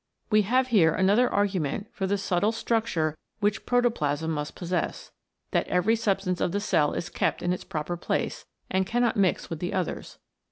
We have here another argument for the subtle struc ture which protoplasm must possess, that every substance of the cell is kept in its proper place, and cannot mix with the others.